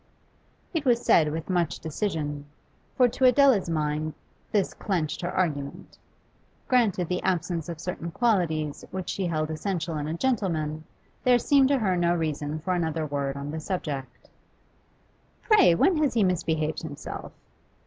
It was said with much decision, for to Adela's mind this clenched her argument. Granted the absence of certain qualities which she held essential in a gentleman, there seemed to her no reason for another word on the subject. 'Pray, when has he misbehaved himself?